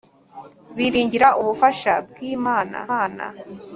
biringira ubufasha bwim ana